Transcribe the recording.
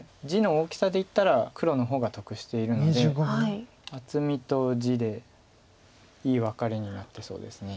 地の大きさでいったら黒の方が得しているので厚みと地でいいワカレになってそうです。